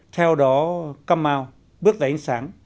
theo đó come out bước giá yến sáng